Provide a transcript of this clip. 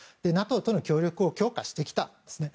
ＮＡＴＯとの協力を強化してきたんですね。